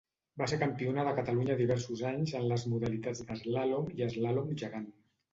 Va ser campiona de Catalunya diversos anys en les modalitats d’eslàlom i eslàlom gegant.